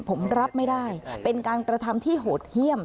ผมรับไม่ได้เป็นการกระทำที่โหดเยี่ยม